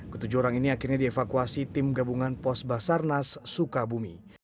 ketujuh orang ini akhirnya dievakuasi tim gabungan pos basarnasukabumi